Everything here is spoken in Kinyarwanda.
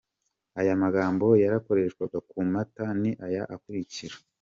Ayo magambo yakoreshwaga ku mata ni aya akurikira :.